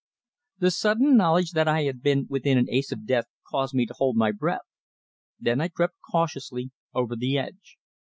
The sudden knowledge that I had been within an ace of death caused me to hold my breath; then I crept cautiously over the edge.